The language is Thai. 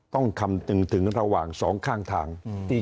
ต้องคำถึงระหว่างสองข้างทาง